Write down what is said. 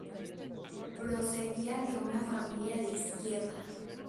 Procedía de una familia de izquierda.